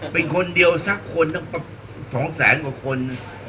เป็นคนเดียวสักคนก็ป่ะสองแสนกว่าคน